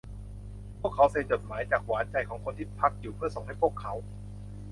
พวกเขาเซ็นจดหมายจากหวานใจของคนที่พักอยู่เพื่อส่งให้พวกเขา